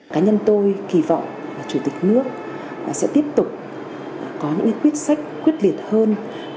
cá nhân tôi kỳ vọng chủ tịch nước sẽ tiếp tục có những quyết sách quyết liệt hơn